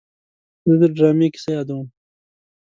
زه د ډرامې کیسه یادوم.